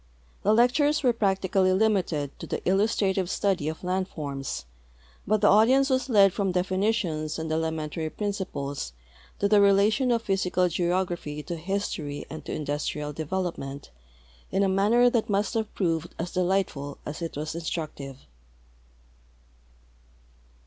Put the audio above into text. The lectures were practically limited to the illustrative study of land forms, but the audience was led from definitions and elementary principles to the rela tion of jihysical geography to history and to industrial development in a manner that must have proved as delightful as it was instructive.